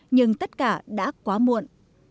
nhưng tất cả đã quá muộn